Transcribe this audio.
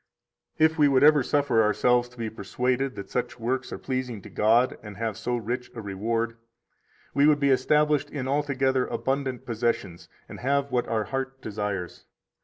152 If we would ever suffer ourselves to be persuaded that such works are pleasing to God and have so rich a reward, we would be established in altogether abundant possessions and have what our heart desires.